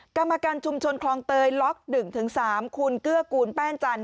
กรรมการชุมชนคลองเตยล็อก๑๓คุณเกื้อกูลแป้นจันท